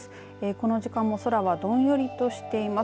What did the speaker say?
この時間も空はどんよりとしています。